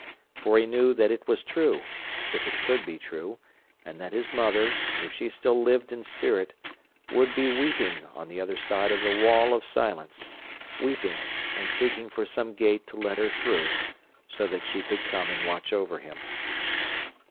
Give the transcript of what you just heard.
For he knew that it was true—if it could be true—and that his mother, if she still lived in spirit, would be weeping on the other side of the wall of silence, weeping and seeking for some gate to let her through so that she could come and "watch over him."